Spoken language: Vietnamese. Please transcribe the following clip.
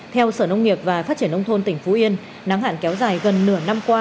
theo sở nông nghiệp và phát triển nông thôn tỉnh phú yên nắng hạn kéo dài gần nửa năm qua